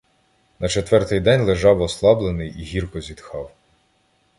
На четвертий день лежав ослаблений і гірко зітхав.